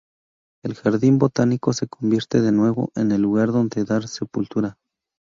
El Jardín botánico se convierte de nuevo en el lugar donde dar sepultura.